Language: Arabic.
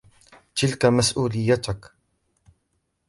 تلك مسؤوليتك.